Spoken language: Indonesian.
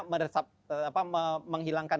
meresap apa menghilangkan